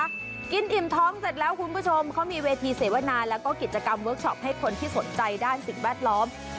กินอิ่มท้องเสร็จแล้วคุณผู้ชมเขามีเวทีเสวนาแล้วก็กิจกรรมเวิร์คชอปให้คนที่สนใจด้านสิ่งแวดล้อม